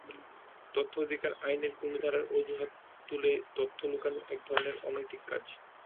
তথ্য অধিকার আইনের কোনো ধারার অজুহাত তুলে তথ্য লুকানো একধরনের অনৈতিক কাজ।